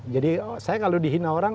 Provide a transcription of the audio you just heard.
jadi saya kalau dihina orang